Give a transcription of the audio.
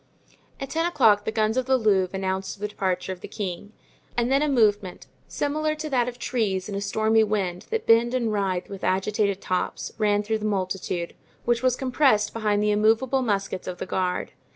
At ten o'clock the guns of the Louvre announced the departure of the king, and then a movement, similar to that of trees in a stormy wind that bend and writhe with agitated tops, ran though the multitude, which was compressed behind the immovable muskets of the guard.